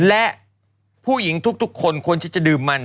และผู้หญิงทุกคนควรที่จะดื่มมัน